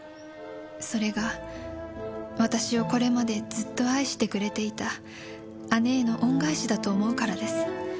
「それが私をこれまでずっと愛してくれていた姉への恩返しだと思うからです」